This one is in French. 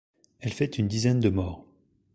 Elle fait une dizaine de morts.